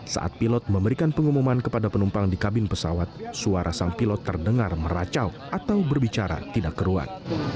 saat pilot memberikan pengumuman kepada penumpang di kabin pesawat suara sang pilot terdengar meracau atau berbicara tidak keruan